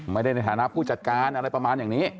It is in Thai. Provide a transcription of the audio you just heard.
ในฐานะผู้จัดการอะไรประมาณอย่างนี้